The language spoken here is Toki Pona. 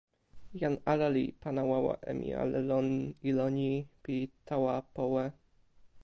jan ala li pana wawa e mi ale lon ilo ni pi tawa powe.